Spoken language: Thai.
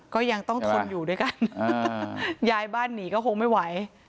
ก็ยังต้องทนอยู่ด้วยกันย้ายบ้านหนีก็คงไม่ไหว